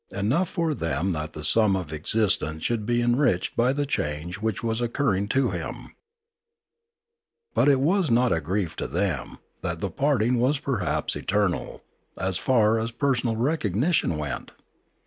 Enough for them that the sum of existence should be enriched by the change which was occurring to him. But was it not a grief to them that the parting was perhaps eternal, as far as personal recognition went